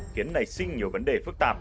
khiến nảy sinh nhiều vấn đề phức tạp